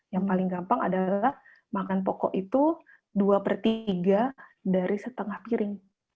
yang paling gampang adalah makan pokok itu dua per tiga dari setengah piring